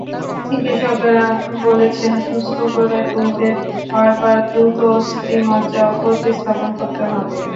চিকিৎসকেরা বলেছেন, সুস্থ করে তুলতে অর্পার দ্রুত অস্থিমজ্জা প্রতিস্থাপন করতে হবে।